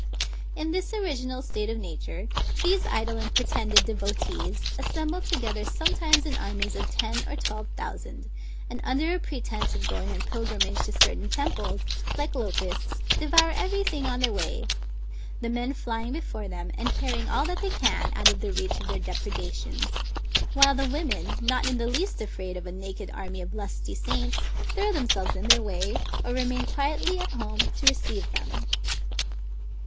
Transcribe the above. In this original state of nature, these idle and pretended devotees, assemble together sometimes in armies of ten or twelve thousand, and under a pretence of going in pilgrimage to certain temples, like locusts devour every thing on their way; the men flying before them, and carrying all that they can out of the reach of their depredations; while the women, not in the least afraid of a naked army of lusty saints, throw themselves in their way, or remain quietly at home to receive them.